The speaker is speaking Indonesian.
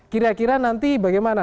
kira kira nanti bagaimana